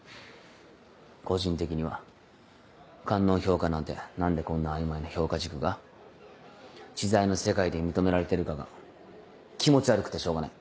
個人的には官能評価なんて何でこんな曖昧な評価軸が知財の世界で認められてるかが気持ち悪くてしょうがない。